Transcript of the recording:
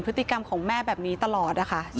พนักงานในร้าน